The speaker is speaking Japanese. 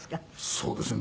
そうですね。